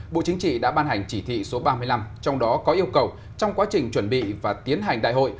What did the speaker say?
bộ chính trị đã ban hành chỉ thị số ba mươi năm trong đó có yêu cầu trong quá trình chuẩn bị và tiến hành đại hội